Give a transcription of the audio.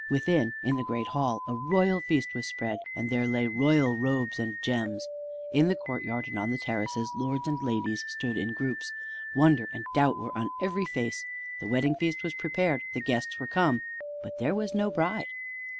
Within in the great hall a royal feast was spread, and there lay royal robes and gems. In the courtyard and on the terraces lords and ladies stood in groups. Wonder and doubt were on every face. The wedding feast was prepared, the guests were come, but there was no bride.